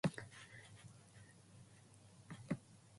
Taylor and her family moved to Orlando, Florida when she was a child.